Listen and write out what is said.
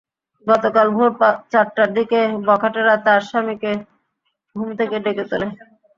গতকাল ভোর চারটার দিকে বখাটেরা তাঁর স্বামীকে ঘুম থেকে ডেকে তোলে।